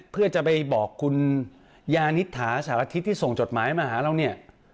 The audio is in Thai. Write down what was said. เพื่อจะไปบอกคุณยานิษฐาสารทิตย์ที่ส่งจดหมายมาหาเราเนี่ย